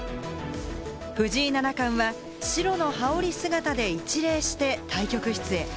藤井七冠は白の羽織姿で一礼して対局室へ。